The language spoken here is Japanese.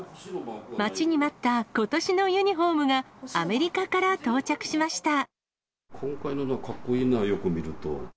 待ちに待ったことしのユニホームが、今回のは、かっこいいなあ、よく見ると。